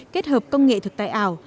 kết hợp công nghệ thực tại ảo